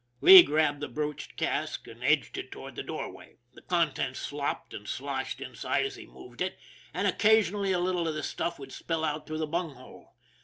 Lee grabbed the broached cask and edged it toward the doorway. The contents slopped and sloshed inside as he moved it, and occasionally a little of the stuff would spill out through the bunghole.